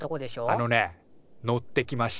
あのね乗ってきました。